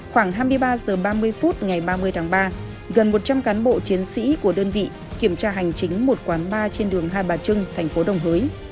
khoảng hai mươi ba h ba mươi phút ngày ba mươi tháng ba gần một trăm linh cán bộ chiến sĩ của đơn vị kiểm tra hành chính một quán bar trên đường hai bà trưng thành phố đồng hới